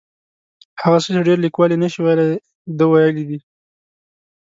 هغه څه چې ډېر لیکوال یې نشي ویلی ده ویلي دي.